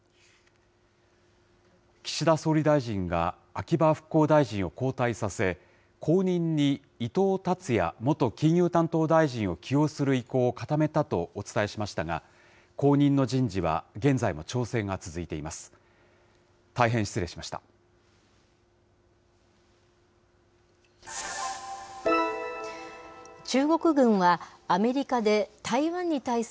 岸田総理大臣が秋葉復興大臣を交代させ、後任に伊藤達也元金融担当大臣を起用する意向を固めたとお伝えしましたが、後任の人事は現在も調整が続いています。